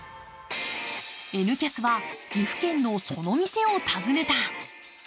「Ｎキャス」は岐阜県のその店を訪ねた。